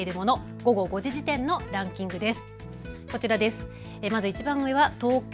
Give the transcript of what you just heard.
午後５時時点のランキングです。